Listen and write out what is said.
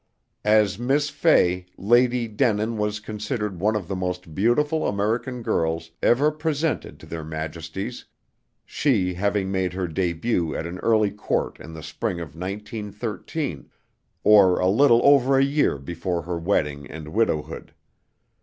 As Miss Fay, Lady Denin was considered one of the most beautiful American girls ever presented to their Majesties, she having made her début at an early court in the spring of 1913, or a little over a year before her wedding and widowhood.